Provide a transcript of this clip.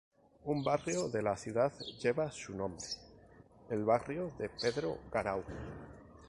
Un barrio de la ciudad lleva su nombre, el barrio de Pedro Garau.